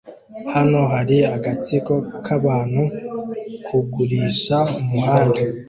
Hano hari agatsiko k'abantu kugurisha umuhanda